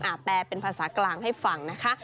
แปลเป็นภาษากลางให้ฟังนะคะ